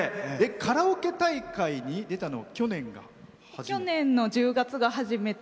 カラオケ大会に出たのは去年が初めて？